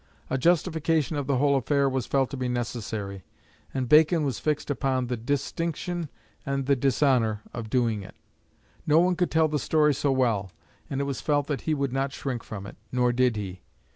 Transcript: A justification of the whole affair was felt to be necessary; and Bacon was fixed upon for the distinction and the dishonour of doing it. No one could tell the story so well, and it was felt that he would not shrink from it. Nor did he.